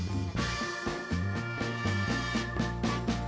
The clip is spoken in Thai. ขอบคุณนะครับ